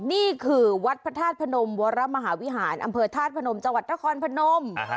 นี่คือวัดพระธาตุพนมวรมหาวิหารอำเภอธาตุพนมจังหวัดนครพนม